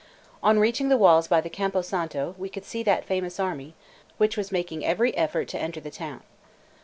On reaching the walls by the Campo Santo, we could see that famous army, which was making every effort to enter the town.